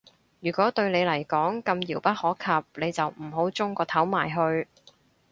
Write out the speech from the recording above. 如果對你嚟講咁遙不可及，你就唔好舂個頭埋去